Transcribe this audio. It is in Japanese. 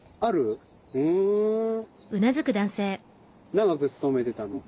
長く勤めてたの？